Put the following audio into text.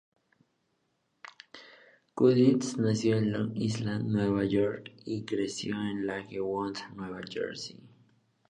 Cudlitz nació en Long Island, Nueva York, y se crio en Lakewood, Nueva Jersey.